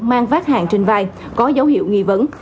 mang vát hàng trên vai có dấu hiệu nghi vấn